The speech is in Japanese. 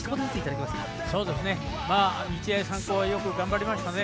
日大三高はよく頑張りましたね。